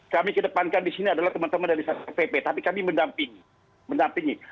kami kedepankan di sini adalah teman teman dari satpol pp tapi kami mendampingi